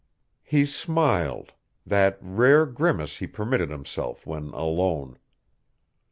He smiled; that rare grimace he permitted himself when alone.